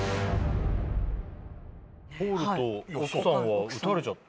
ポールと奥さんは撃たれちゃって。